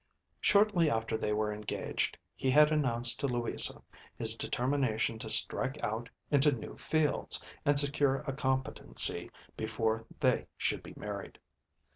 Shortly after they were engaged he had announced to Louisa his determination to strike out into new fields, and secure a competency before they should be married.